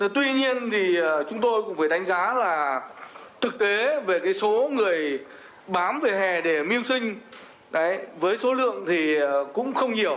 tuy nhiên thì chúng tôi cũng phải đánh giá là thực tế về số người bám về hè để mưu sinh với số lượng thì cũng không nhiều